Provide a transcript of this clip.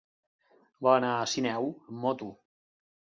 Va anar a Sineu amb moto.